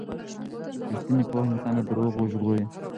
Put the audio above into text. ریښتینې پوهه انسان له درواغو ژغوري.